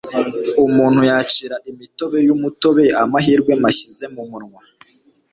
umuntu yacira imitobe yumutobe amahirwe mashyize mumunwa